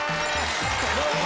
どうも。